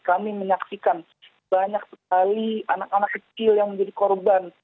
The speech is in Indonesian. kami menyaksikan banyak sekali anak anak kecil yang menjadi korban